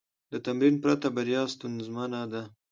د تمرین پرته، بریا ستونزمنه ده.